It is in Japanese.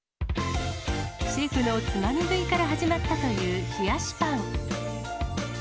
シェフのつまみ食いから始まったという冷やしパン。